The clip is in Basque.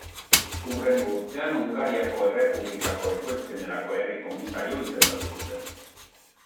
Hurrengo urtean Hungariako Errepublikako ekoizpenerako herri komisario izendatu zuten.